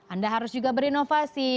anda harus juga berinovasi